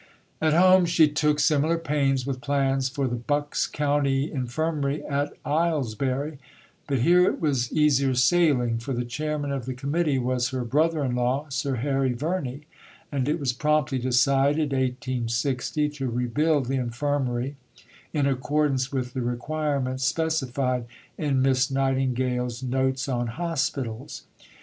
At home she took similar pains with plans for the Bucks County Infirmary at Aylesbury; but here it was easier sailing, for the chairman of the Committee was her brother in law, Sir Harry Verney, and it was promptly decided (1860) to rebuild the Infirmary "in accordance with the requirements specified in Miss Nightingale's Notes on Hospitals."